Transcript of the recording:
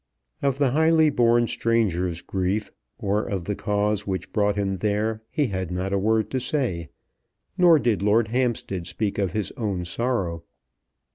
Of the highly born stranger's grief, or of the cause which brought him there, he had not a word to say; nor did Lord Hampstead speak of his own sorrow.